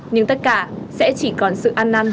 nhưng tất cả sẽ chỉ còn sự an năn